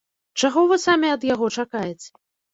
Чаго вы самі ад яго чакаеце?